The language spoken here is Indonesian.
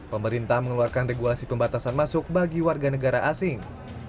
pemerintah mengeluarkan regulasi pembatasan masuk bagi warga negara asing